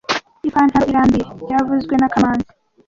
Ipantaro iranduye byavuzwe na kamanzi